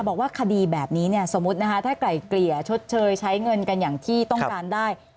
บอกว่าคดีแบบนี้เนี่ยสมมุตินะคะถ้าไกล่เกลี่ยชดเชยใช้เงินกันอย่างที่ต้องการได้